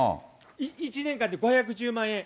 １年間で５１０万円。